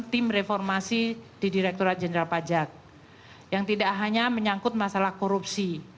tim reformasi di direkturat jenderal pajak yang tidak hanya menyangkut masalah korupsi